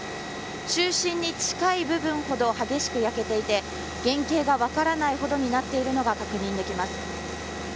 中心に近い部分ほど激しく焼けていて原型が分からないほどになっているのが確認できます。